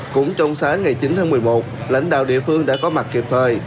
cũng trong sáng ngày chín tháng một mươi một lãnh đạo địa phương đã có mặt kịp thời